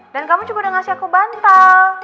dan kamu juga udah ngasih aku bantal